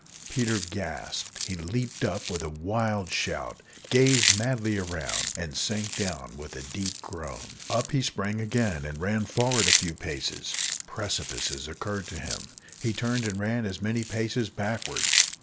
Peter gasped; he leaped up with a wild shout, gazed madly round, and sank down with a deep groan. Up he sprang again, and ran forward a few paces. Precipices occurred to him he turned and ran as many paces backward.